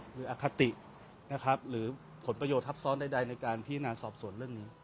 อคตินะครับหรือผลประโยชนทับซ้อนใดในการพิจารณาสอบส่วนเรื่องนี้